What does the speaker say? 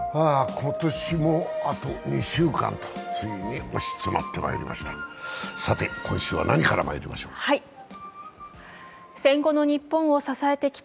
今年もあと２週間とついに押し詰まってまいりました。